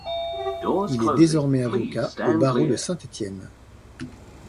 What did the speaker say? Il est désormais avocat au barreau de Saint-Étienne.